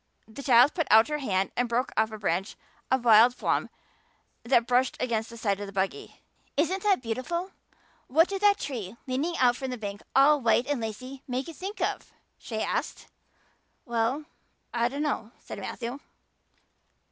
The child put out her hand and broke off a branch of wild plum that brushed against the side of the buggy. "Isn't that beautiful? What did that tree, leaning out from the bank, all white and lacy, make you think of?" she asked. "Well now, I dunno," said Matthew.